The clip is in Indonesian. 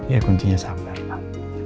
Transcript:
ya kuncinya sabarlah